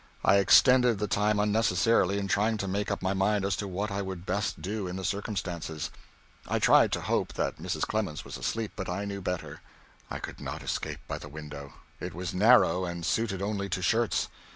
I extended the time unnecessarily in trying to make up my mind as to what I would best do in the circumstances. I tried to hope that Mrs. Clemens was asleep, but I knew better. I could not escape by the window. It was narrow, and suited only to shirts.